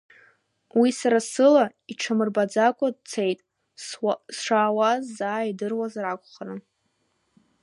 Уи сара сыла иҽамырбаӡакәа дцеит, сшаауаз заа идыруазар акәхарын.